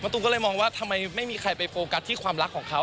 ตูมก็เลยมองว่าทำไมไม่มีใครไปโฟกัสที่ความรักของเขา